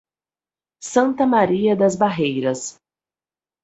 Santa Maria das Barreiras